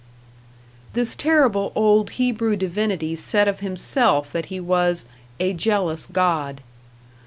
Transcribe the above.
This terrible old Hebrew divinity said of himself that he was "a jealous god".